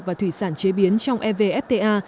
và thủy sản chế biến trong evfta